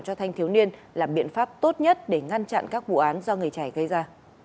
cho thanh thiếu niên là biện pháp tốt nhất để ngăn chặn các vụ án do người trẻ gây ra